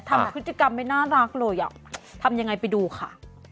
ทำพฤติกรรมไม่น่ารักเลยอ่ะทำยังไงไปดูค่ะ